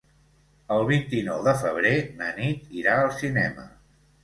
El vint-i-nou de febrer na Nit irà al cinema.